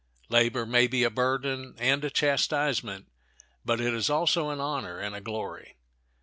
Labor may be a burden and a chastisement, but it is also an honor and a glory.